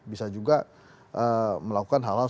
bisa juga melakukan hal hal